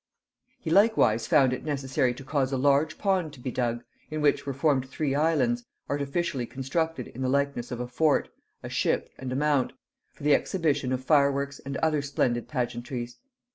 He likewise found it necessary to cause a large pond to be dug, in which were formed three islands, artificially constructed in the likeness of a fort, a ship, and a mount, for the exhibition of fireworks and other splendid pageantries.